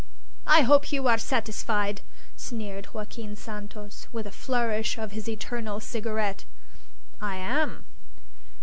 "I hope you are satisfied!" sneered Joaquin Santos, with a flourish of his eternal cigarette. "I am.